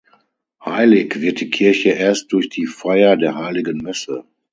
Heilig wird die Kirche erst durch die Feier der heiligen Messe.